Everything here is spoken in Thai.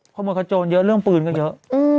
แต่พอโมยขาโจนเยอะเรื่องปืนก็เยอะ